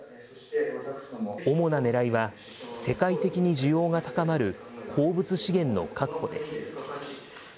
主なねらいは、世界的に需要が高まる鉱物資源の確保です。